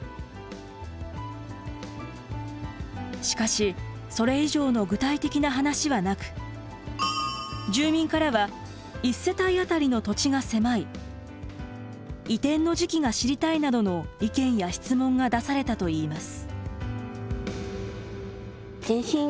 しかしそれ以上の具体的な話はなく住民からは「１世帯あたりの土地が狭い」「移転の時期が知りたい」などの意見や質問が出されたといいます。